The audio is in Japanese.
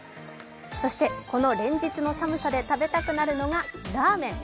この連日の寒さで食べたくなるのが、ラーメン。